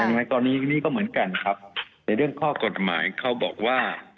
ไหมตอนนี้นี่ก็เหมือนกันครับในเรื่องข้อกฎหมายเขาบอกว่า